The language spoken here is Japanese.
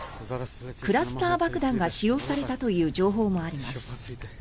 クラスター爆弾が使用されたという情報もあります。